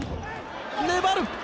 粘る。